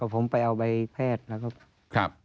ผมไปเอาไปแพทย์